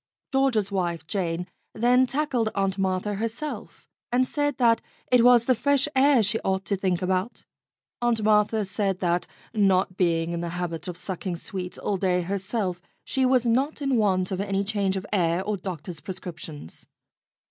George's wife, Jane, then tackled Aunt Martha herself, and said that it was the fresh air she ought to think about. 'Aunt Martha said that, not being in the habit of sucking sweets all day herself, she was not in want of any change of air or doctor's prescriptions.